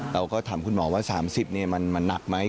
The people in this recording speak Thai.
เราก็ถามคุณหมอว่า๓๐มันหนักไหม